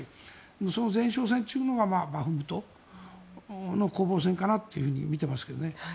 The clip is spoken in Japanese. その前哨戦というのがバフムトの攻防戦かなと見てますけどね。